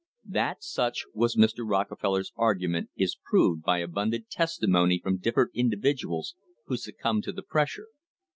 That such was Mr. Rockefeller's argument is proved by abundant testimony from different individuals who suc cumbed to the pressure.